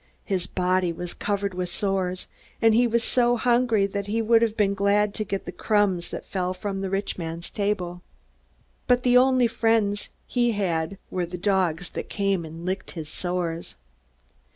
His body was covered with sores, and he was so hungry that he would have been glad to get the crumbs that fell from the rich man's table. But the only friends he had were the dogs that came and licked his sores.